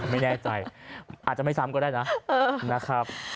ไม่แน่ใจอาจจะไม่ซ้ำก็ได้นะนะครับ